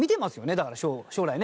だから将来ね。